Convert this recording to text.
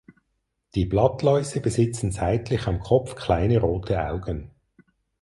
Die Blattläuse besitzen seitlich am Kopf kleine rote Augen.